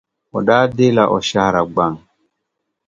O daa deei la o shɛhira gbaŋ .